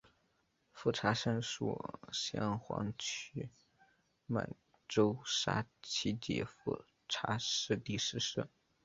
富察善属镶黄旗满洲沙济富察氏第十世。